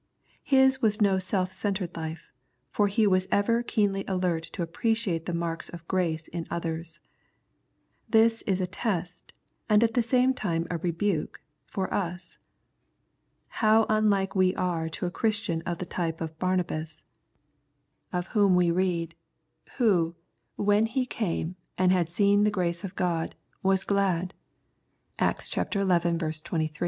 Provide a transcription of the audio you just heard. His was no self centred life, for he was ever keenly alert to appreciate the marks of grace in others. This is a test, and at the same time a rebuke, for us. How unlike we are to a Christian of the type of Barnabas, of whom 58 Knowledge and Obedience we read :" Who, when he came, and had seen the grace of God, was glad " (Acts xi. 23).